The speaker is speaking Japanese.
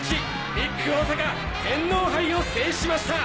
ビッグ大阪天皇杯を制しました！